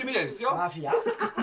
マフィア。